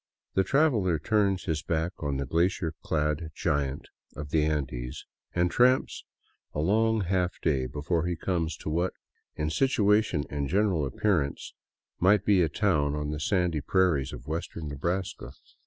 The traveler turns his back on the glacier clad giant of the Andes and tramps a long half day before he comes to what, in situation and general appearance, might be a town on the sandy prairies of western Nebraska.